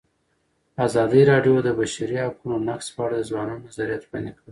ازادي راډیو د د بشري حقونو نقض په اړه د ځوانانو نظریات وړاندې کړي.